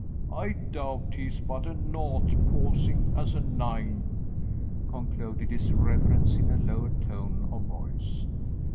I doubt he is but a nought posing as a nine," concluded his reverence in a lower tone of voice.